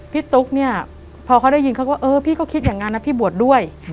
ตุ๊กเนี่ยพอเขาได้ยินเขาก็เออพี่ก็คิดอย่างนั้นนะพี่บวชด้วย